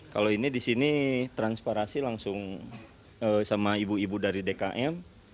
kalau ini di sini transparasi langsung sama ibu ibu dari dkm